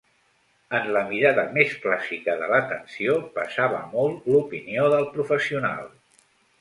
En la mirada més clàssica de l'atenció pesava molt l'opinió del professional.